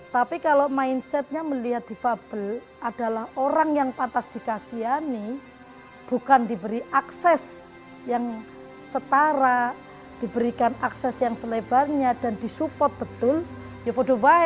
tapi kalau mindset nya melihat di fabel adalah orang yang patas dikasihani bukan diberi akses yang setara diberikan akses yang selebarnya dan disupport betul ya podo wae